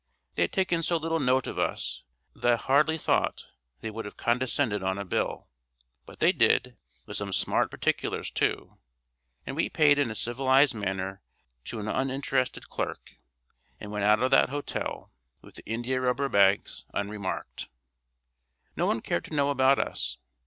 They had taken so little note of us that I hardly thought they would have condescended on a bill. But they did, with some smart particulars too; and we paid in a civilised manner to an uninterested clerk, and went out of that hotel, with the india rubber bags, unremarked. No one cared to know about us.